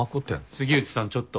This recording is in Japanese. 杉内さんちょっと。